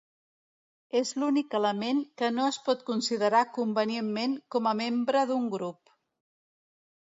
És l’únic element que no es pot considerar convenientment com a membre d’un grup.